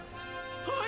はい！